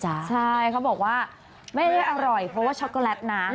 ใช่เขาบอกว่าไม่ได้อร่อยเพราะว่าช็อกโกแลตนะ